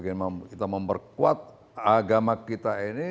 kita memperkuat agama kita ini